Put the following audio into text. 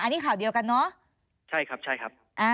อันนี้ข่าวเดียวกันเนอะใช่ครับ